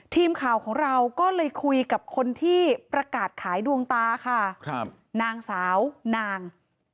ทีมข่าวของเราก็เลยคุยกับคนที่ประกาศขายดวงตาค่ะครับนางสาวนาง